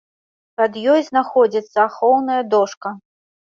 Пад ёй знаходзіцца ахоўная дошка.